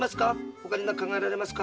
ほかに何か考えられますか？